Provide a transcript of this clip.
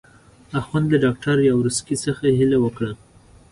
اخند له ډاکټر یاورسکي څخه هیله وکړه.